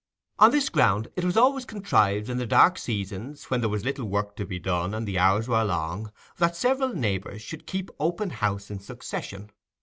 On this ground it was always contrived in the dark seasons, when there was little work to be done, and the hours were long, that several neighbours should keep open house in succession.